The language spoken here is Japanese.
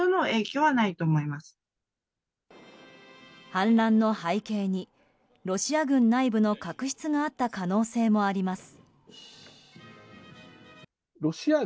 反乱の背景に、ロシア軍内部の確執があった可能性もあります。